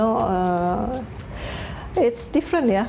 dan itu berbeda ya